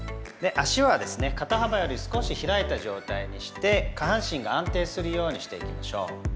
足はですね肩幅より少し開いた状態にして下半身が安定するようにしていきましょう。